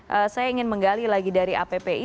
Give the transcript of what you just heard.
nanti setelah jeda saya ingin menggali lagi dari appi